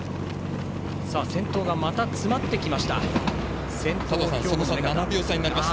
先頭がまた詰まってきました。